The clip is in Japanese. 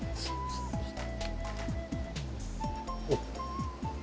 おっ。